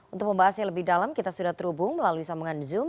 untuk membahasnya lebih dalam kita sudah terhubung melalui sambungan zoom